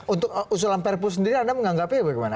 untuk usulan perpu sendiri anda menganggapnya bagaimana